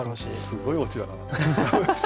すごいオチだな。